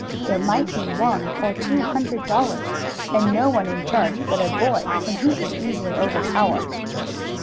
There might be one or two hundred dollars, and no one in charge but a boy whom he could easily overpower.